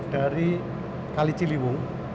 dari kali ciliwung